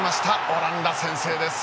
オランダ、先制です。